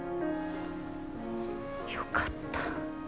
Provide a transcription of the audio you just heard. よかった。